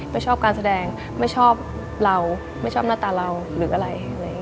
ไม่ชอบการแสดงไม่ชอบเราไม่ชอบหน้าตาเราหรืออะไร